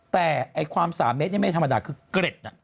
แต่ความ๓เมตรนี่ไม่ธรรมดาคือเกร็ดน่ะ